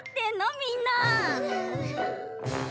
みんな！